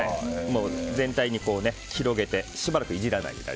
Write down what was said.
全体に広げてしばらくいじらないで。